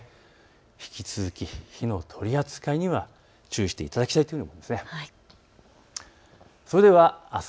引き続き火の取り扱いには注意していただきたいと思います。